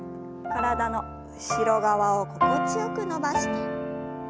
体の後ろ側を心地よく伸ばして。